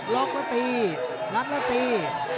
ล็อกแล้วตีรัดแล้วตี